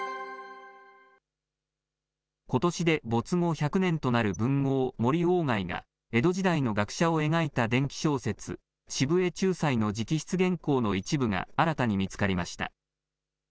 ことしで没後１００年となる文豪、森鴎外が、江戸時代の学者を描いた伝記小説、渋江抽斎の直筆原稿の一部が新たに見つかりました。